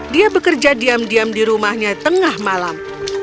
dia bekerja diam diam di rumahnya tengah malam